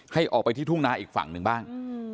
ให้ออกไปที่ทุ่งนาอีกฝั่งหนึ่งบ้าง